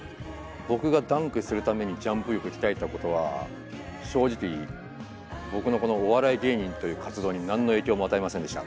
僕がダンクするためにジャンプ力鍛えたことは正直僕のこのお笑い芸人という活動に何の影響も与えませんでした。